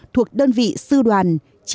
thuộc đơn vị sư đoàn chín trăm sáu mươi tám